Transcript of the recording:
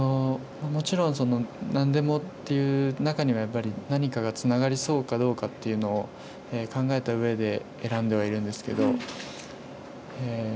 もちろんなんでもっていう中には、やっぱり何かがつながりそうかどうかというのを考えたうえで選んではいるんですけど。